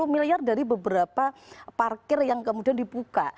tiga ratus lima puluh miliar dari beberapa parkir yang kemudian dibuka